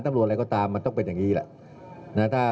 ตำรวจอะไรก็ตามมันต้องเป็นอย่างนี้แหละ